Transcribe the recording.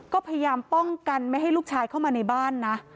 ก็พยายามป้องกันไม่ให้ลูกชายเข้ามาในบ้านนะ